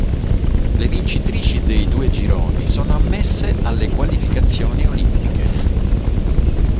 Le vincitrici dei due gironi sono ammesse alle qualificazioni olimpiche.